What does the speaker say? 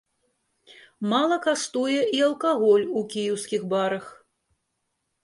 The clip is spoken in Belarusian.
Мала каштуе і алкаголь у кіеўскіх барах.